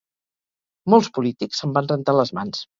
Molts polítics se'n van rentar les mans.